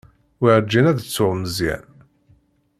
Werǧin ad ttuɣ Meẓyan.